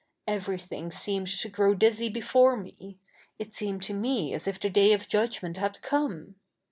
Eve?y thing seemed to grow dizzy before me. It seemed to me as if the day of judgment had come.